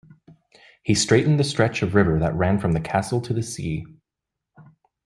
He straightened the stretch of river that ran from the castle to the sea.